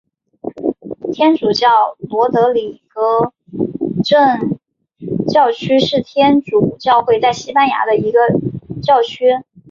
天主教罗德里戈城教区是天主教会在西班牙的一个教区。